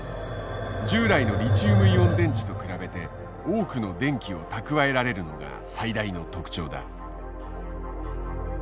従来のリチウムイオン電池と比べて多くの電気を蓄えられるのが最大の特徴だ。